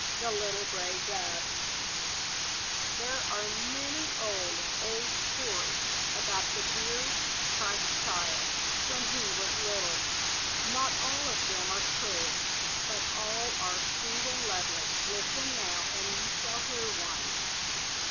THE LITTLE GRAY DOVES There are many old, old stories about the dear Christ Child when he was little. Not all of them are true, but all are sweet and lovely; listen now, and you shall hear one.